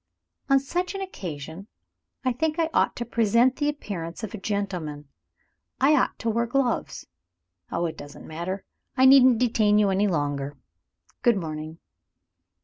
On such an occasion, I think I ought to present the appearance of a gentleman I ought to wear gloves. Oh, it doesn't matter! I needn't detain you any longer. Good morning."